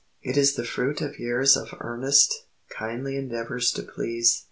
It is the fruit of years of earnest, kindly endeavors to please.